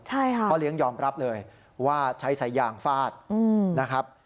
ใช่ค่ะพ่อเลี้ยงยอมรับเลยว่าใช้สายยางฟาดนะครับ